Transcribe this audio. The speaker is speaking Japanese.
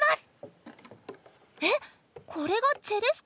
えっこれがチェレスタ？